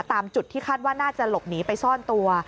ตามจุดที่คาดว่าน่าจะหลบหนีไปซ่อนตัว